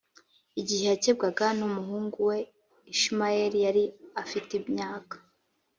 igihe yakebwaga n’umuhungu we ishimayeli yari afite imyaka